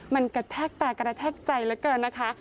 มันกระแทกตากระแทกใจเหลือเกินนะคะ